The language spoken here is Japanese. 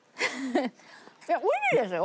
いやおいしいですよ？